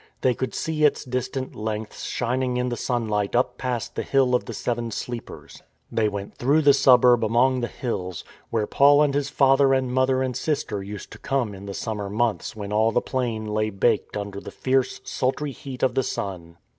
They could see its distant lengths shining in the sunlight up past the Hill of the Seven Sleepers. They went through the suburb among the hills, where Paul and his father and mother and sister used to come in the summer months when all the plain lay baked under the fierce, sultry heat of the sun.